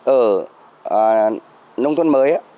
ở nông thôn mới